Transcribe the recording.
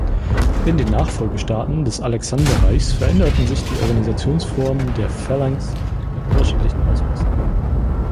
In den Nachfolgestaaten des Alexanderreichs veränderten sich die Organisationsformen der Phalanx in unterschiedlichen Ausmaßen.